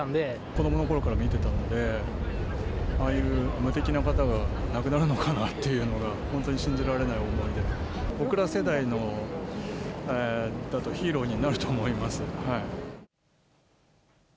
子どものころから見てたので、ああいう無敵な方が亡くなるのかなっていうのが、本当に信じられない思いで、僕ら世代だとヒーローにはなると思います。